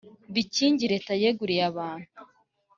bikingi Leta yeguriye abantu